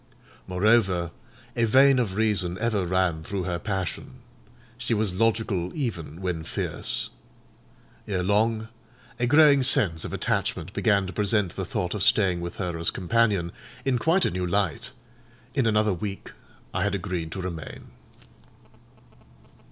Moreover, a vein of reason ever ran through her passion: she was logical even when fierce. Ere long a growing sense of attachment began to present the thought of staying with her as companion in quite a new light; in another week I had agreed to remain.